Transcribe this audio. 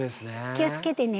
気を付けてね